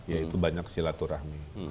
yaitu banyak silaturahmi